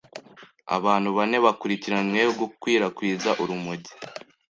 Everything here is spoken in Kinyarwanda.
Abantu bane bakurikiranyweho gukwirakwiza urumogi